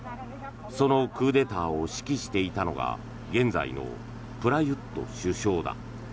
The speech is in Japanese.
そのクーデターを指揮していたのが現在のプラユット首相だ。